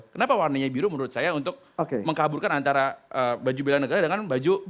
kenapa warnanya biru menurut saya untuk mengkaburkan antara baju bela negara dengan baju